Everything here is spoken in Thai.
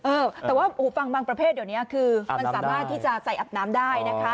เออแต่ว่าฟังบางประเภทเดี๋ยวนี้คือมันสามารถที่จะใส่อาบน้ำได้นะคะ